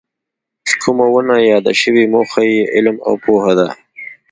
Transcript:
کومه ونه یاده شوې موخه یې علم او پوهه ده.